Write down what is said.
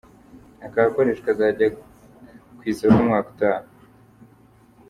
Aka gakoresho kazajya ku isoko umwaka utaha.